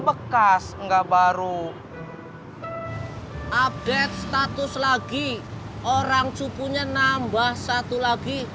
bekas enggak baru update status lagi orang cukunya nambah satu lagi move we